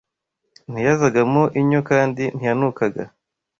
ntiyazagamo inyo kandi ntiyanukaga